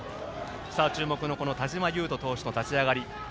注目の田嶋勇斗投手の立ち上がり。